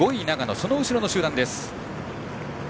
その後ろの集団です。